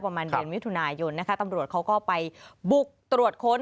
ประมาณเดือนมิถุนายนนะคะตำรวจเขาก็ไปบุกตรวจค้น